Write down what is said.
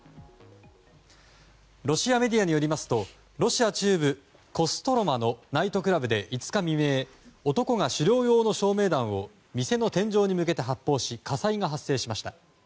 ロシアメディアによりますとロシア中部コストロマのナイトクラブで５日未明男が狩猟用の照明弾を発砲し火災が発生しました。